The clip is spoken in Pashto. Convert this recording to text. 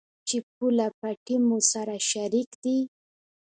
چې پوله، پټي مو سره شريک دي.